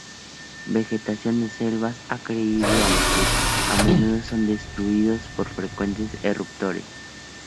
Vegetación de selvas ha crecido, aunque a menudo son destruidos por las frecuentes erupciones.